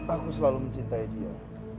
aku selalu mencintai dia